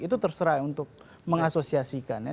itu terserah untuk mengasosiasikan ya